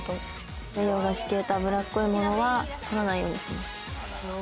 洋菓子系と脂っこいものはとらないようにしています。